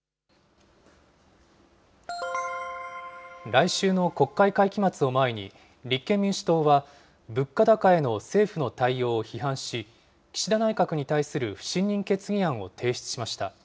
来週の国会会期末を前に、立憲民主党は物価高への政府の対応を批判し、岸田内閣に対する不信任決議案を提出しました。